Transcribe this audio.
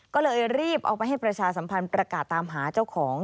ก็เลยรีบเอาไปให้ประชาสัมพันธ์ประกาศตามหาเจ้าของ